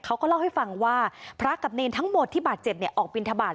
เขาก็เล่าให้ฟังว่าพระกับเนรทั้งหมดที่บาดเจ็บออกบินทบาท